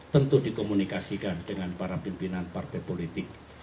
tentu dikomunikasikan dengan para pimpinan partai politik